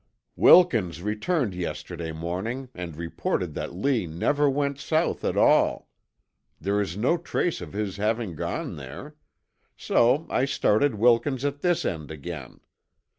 "Wilkins returned yesterday morning and reported that Lee never went South at all. There is no trace of his having gone there. So I started Wilkins at this end again.